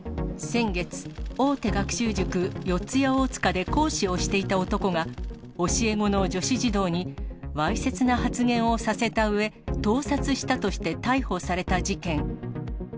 先月、大手学習塾、四谷大塚で講師をしていた男が、教え子の女子児童にわいせつな発言をさせたうえ、盗撮したとして逮捕された事件。